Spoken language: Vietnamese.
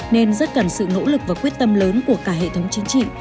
nên rất cần sự nỗ lực và quyết tâm lớn của cả hệ thống chính trị